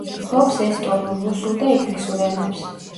ფლობს ესტონურ, რუსულ და ინგლისურ ენებს.